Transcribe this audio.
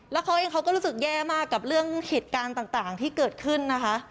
แล้วเขาเองเขาก็รู้สึกแย่มากกับเรื่องเหตุการณ์ต่างที่เกิดขึ้นนะคะ